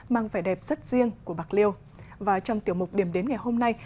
mang vẻ đẹp rất riêng của bạc liêu và trong tiểu mục điểm đến ngày hôm nay